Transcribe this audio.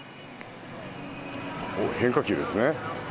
変化球ですね。